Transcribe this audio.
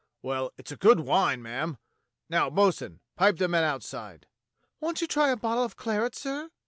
" Well, it's a good wine, ma'am. Now, bo'sun, pipe the men outside." "Won't you try a bottle of claret, sir?"